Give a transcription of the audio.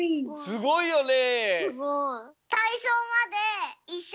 すごいよね。